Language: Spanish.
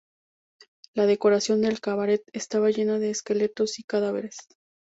La decoración del cabaret estaba llena de esqueletos y cadáveres.